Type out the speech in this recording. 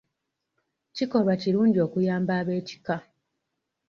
Kikolwa kirungi okuyamba eb'ekika.